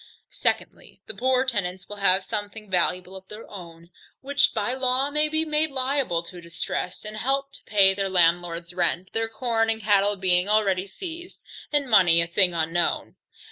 Secondly, The poorer tenants will have something valuable of their own, which by law may be made liable to a distress, and help to pay their landlord's rent, their corn and cattle being already seized, and money a thing unknown.